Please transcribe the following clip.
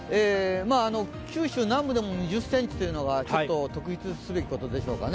九州南部でも２０ｃｍというのが、ちょっと特筆すべきところでしょうかね。